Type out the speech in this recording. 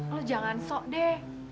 lo jangan sok deh